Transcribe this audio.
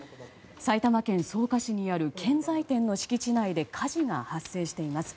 埼玉県草加市にある建材店の敷地内で火事が発生しています。